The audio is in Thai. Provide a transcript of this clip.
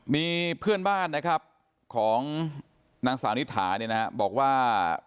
มีเพื่อนบ้านของนางสานิถาบอกว่า